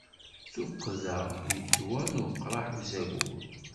D tuqqda i d ddwa n uqraḥ n uzagur.